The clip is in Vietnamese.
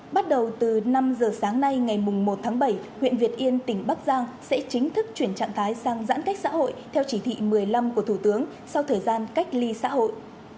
bắt đầu từ năm giờ sáng nay ngày một tháng bảy huyện việt yên tỉnh bắc giang sẽ chính thức chuyển trạng thái sang giãn cách xã hội theo chỉ thị một mươi năm của thủ tướng sau thời gian cách ly xã hội